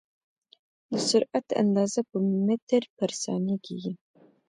د سرعت اندازه په متر پر ثانیه کېږي.